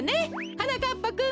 はなかっぱくん！